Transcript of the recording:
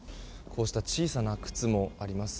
こうした小さな靴もあります。